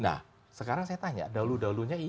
nah sekarang saya tanya dahulu dahulunya